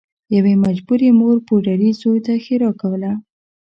یوې مجبورې مور پوډري زوی ته ښیرا کوله